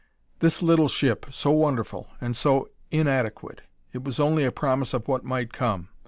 This little ship so wonderful, and so inadequate! It was only a promise of what might come.